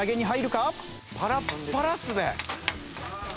パラッパラっすね。